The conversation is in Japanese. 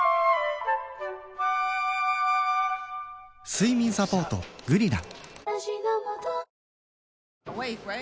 睡眠サポート「グリナ」